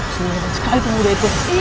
semoga sekali pemuda itu